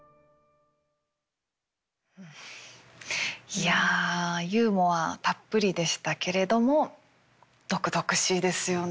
いやユーモアたっぷりでしたけれども毒々しいですよね。